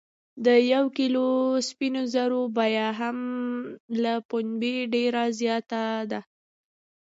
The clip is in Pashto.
د یو کیلو سپینو زرو بیه هم له پنبې ډیره زیاته ده.